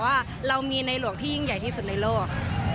ว่าเรามีในหลวงที่ยิ่งใหญ่ที่สุดในโลก